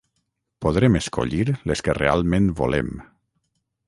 podrem escollir les que realment volem